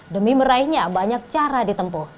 demi meraihnya banyak cara ditempuh